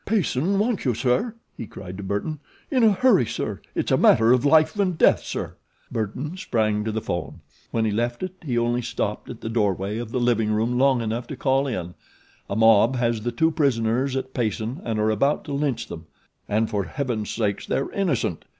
"Payson wants you, sir," he cried to Burton, "in a hurry, sir, it's a matter of life and death, sir!" Burton sprang to the phone. When he left it he only stopped at the doorway of the living room long enough to call in: "A mob has the two prisoners at Payson and are about to lynch them, and, my God, they're innocent.